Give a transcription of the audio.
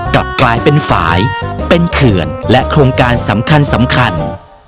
กลับกลายเป็นฝ่ายเป็นเขื่อนและโครงการสำคัญ